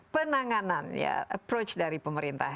penanganan ya approach dari pemerintah